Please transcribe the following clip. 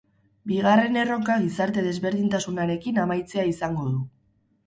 Bigarren erronka gizarte desberdintasunarekin amaitzea izango du.